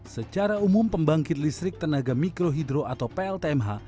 secara umum pembangkit listrik tenaga mikro hidro atau pltmh